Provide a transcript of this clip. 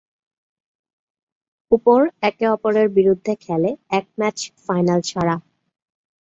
উপর একে অপরের বিরুদ্ধে খেলে, এক ম্যাচ ফাইনাল ছাড়া।